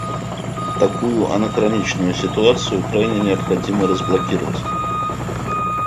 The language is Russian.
Такую анахроничную ситуацию крайне необходимо разблокировать.